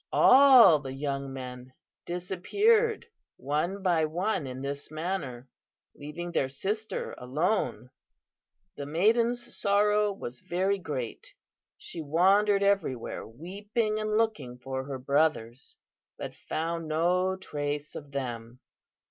All the young men disappeared one by one in this manner, leaving their sister alone. "The maiden's sorrow was very great. She wandered everywhere, weeping and looking for her brothers, but found no trace of them.